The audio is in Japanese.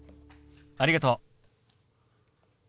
ありがとう。